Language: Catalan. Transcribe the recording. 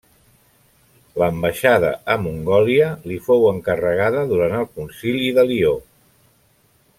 L'ambaixada a Mongòlia li fou encarregada durant el Concili de Lió.